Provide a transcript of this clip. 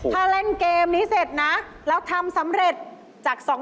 ถ้าเล่นเกมนี้เสร็จนะแล้วทำสำเร็จจาก๒๐๐